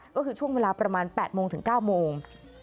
ก็คือช่วงเวลาประมาณ๘โมงถึง๙โมง